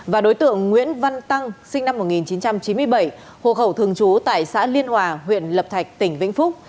và đối tượng nguyễn văn tăng sinh năm một nghìn chín trăm chín mươi bảy hộ khẩu thường trú tại xã liên hòa huyện lập thạch tỉnh vĩnh phúc